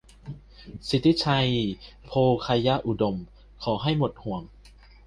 สิทธิชัย โภไคยอุดม : ขอให้หมดห่วง